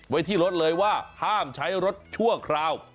ไว้ที่รถเลยว่าห้ามใช้รถชั่วคราว